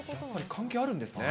関係あるんですね。